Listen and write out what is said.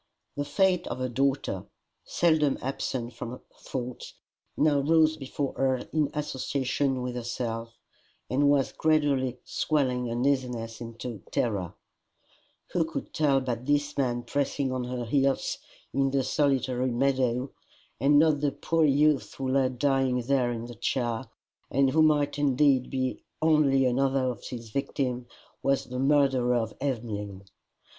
The fate of her daughter, seldom absent from her thoughts, now rose before her in association with herself, and was gradually swelling uneasiness into terror: who could tell but this man pressing on her heels in the solitary meadow, and not the poor youth who lay dying there in the chair, and who might indeed be only another of his victims, was the murderer of Emmeline!